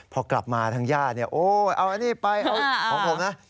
พอกลับมาทั้งญาติเอาอันนี้ไปเอาของผมนะ